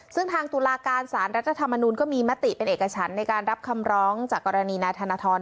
ซึ่งทางตุลาการสารรัฐธรรมนุนก็มีมติเป็นเอกฉันในการรับคำร้องจากกรณีนายธนทร